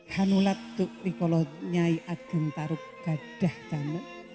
hanulat tuk wikolonyai agen taruk gadah dana